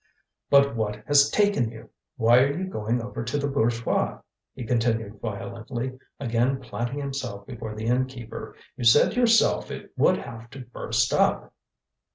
"But what has taken you? Why are you going over to the bourgeois?" he continued violently, again planting himself before the innkeeper. "You said yourself it would have to burst up!"